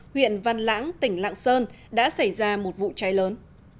huyện văn lãng tỉnh lạng sơn đã xảy ra một vụ cháy lớn